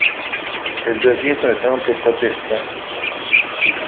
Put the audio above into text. Elle devient un temple protestant.